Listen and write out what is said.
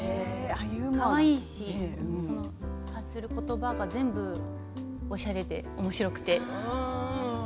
かわいいし、発する言葉が全部おしゃれで、おもしろくて。